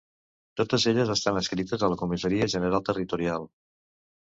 Totes elles estan adscrites a la Comissaria General Territorial.